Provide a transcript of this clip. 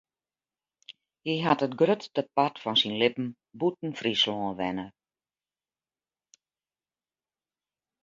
Hy hat it grutste part fan syn libben bûten Fryslân wenne.